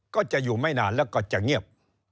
ก็จะอยู่ไม่นานแล้วก็จะเงียบ